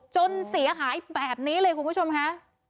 จนเสียหายแบบนี้เลยคุณผู้ชมค่ะ